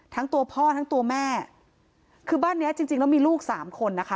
ทั้งตัวพ่อทั้งตัวแม่คือบ้านเนี้ยจริงจริงแล้วมีลูกสามคนนะคะ